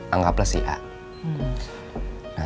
anggaplah si a